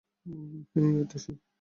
হেই, এটা সেই।